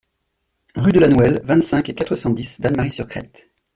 Rue de la Nouelle, vingt-cinq, quatre cent dix Dannemarie-sur-Crète